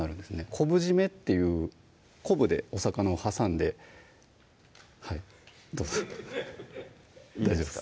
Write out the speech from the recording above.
昆布締めっていう昆布でお魚を挟んではいどうぞいいですか？